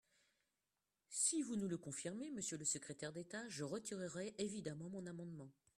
Si vous nous le confirmez, monsieur le secrétaire d’État, je retirerai évidemment mon amendement.